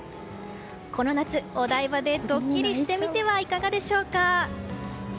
この夏、お台場でドッキリしてみてはいかがでしょうか。